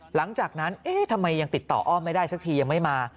หลังจากนั้นเอ๊ะทำไมยังติดต่ออ้อมไม่ได้สักทียังไม่มา